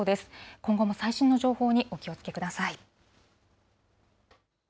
今後も最新の情報にお気をつけください。